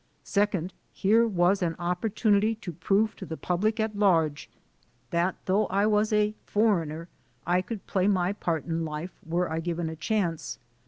Second, here was an opportunity to prove to the public at large that though I was a "foreigner" I could play my part in life, were I given a chance.